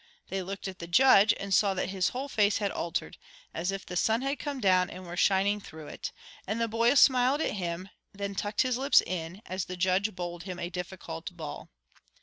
They looked at the judge and saw that his whole face had altered, as if the sun had come down and were shining through it; and the boy smiled at him, and then tucked his lips in, as the judge bowled him a difficult ball.